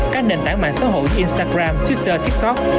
các nền tảng mạng xã hội như instagram twitter tiktok